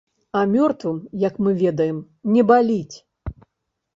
А мёртвым, як мы ведаем, не баліць.